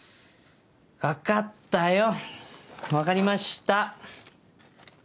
分かったよ分かりました。